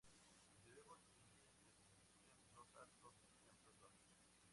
Debemos distinguir entre "templos altos" y "templos bajos".